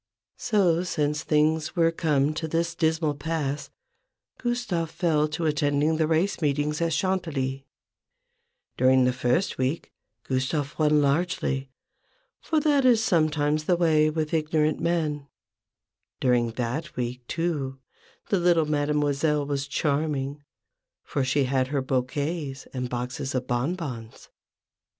So, since things were come to this 82 A BOOK OF BARGAINS. dismal pass, Gustave fell to attending the race meetings at Chantilly, During the first week Gustave won largel}% for that is sometimes the way with ignorant men : during that week, too, the little Mademoiselle was charming, for she had her bouquets and boxes of bon bons.